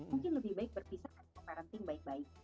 mungkin lebih baik berpisah atau parenting baik baik